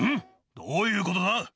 どういうことだ？